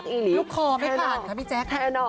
ดูข่อไม่ผ่านครับพี่แจ๊ค